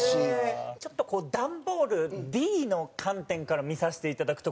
ちょっとこう段ボールＤの観点から見させていただくとこの。